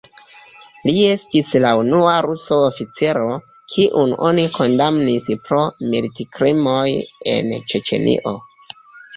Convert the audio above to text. Li estis la unua rusa oficiro, kiun oni kondamnis pro militkrimoj en Ĉeĉenio.